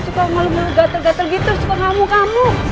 suka malu mau gatel gatel gitu suka ngamuk ngamuk